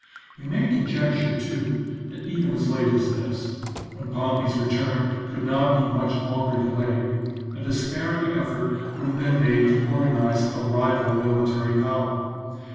We may conjecture, too, that even as late as this, when Pompey's return could not be much longer delayed, a despairing effort would have been made to organize a rival military power.